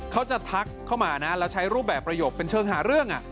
ทักเข้ามานะแล้วใช้รูปแบบประโยคเป็นเชิงหาเรื่อง